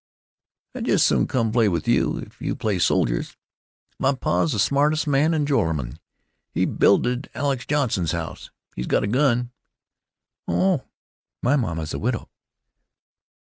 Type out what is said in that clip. "I jus' soon come play with you. If you play soldiers.... My pa 's the smartest man in Joralemon. He builded Alex Johnson's house. He's got a ten gauge gun." "Oh.... My mamma 's a widow."